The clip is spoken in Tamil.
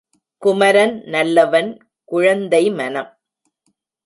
குமரன் நல்லவன் குழந்தை மனம்.